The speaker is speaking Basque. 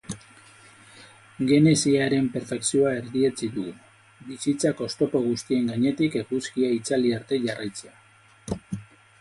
Genesiaren perfekzioa erdietsi dugu, bizitzak oztopo guztien gainetik eguzkia itzali arte jarraitzea.